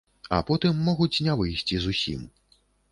А потым могуць не выйсці зусім.